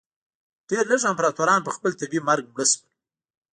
ډېر لږ امپراتوران په خپل طبیعي مرګ مړه شول.